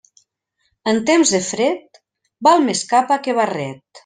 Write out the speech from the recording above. En temps de fred, val més capa que barret.